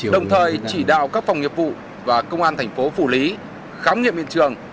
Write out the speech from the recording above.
đồng thời chỉ đạo các phòng nghiệp vụ và công an thành phố phủ lý khám nghiệm hiện trường